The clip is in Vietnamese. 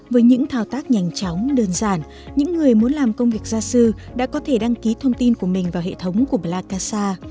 với những thao tác nhanh chóng đơn giản những người muốn làm công việc gia sư đã có thể đăng ký thông tin của mình vào hệ thống của plakasa